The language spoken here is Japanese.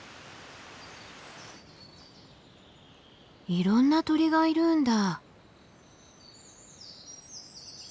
いろんな鳥がいるんだ。